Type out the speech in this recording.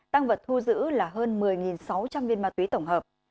tăng vật thu giữ là hơn một mươi sáu trăm linh viên ma túy tổng hợp